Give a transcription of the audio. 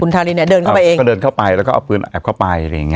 ครุนทาร์นิแห่งเขาเดินเข้าไปแล้วก็ฝืนแอบเข้าไป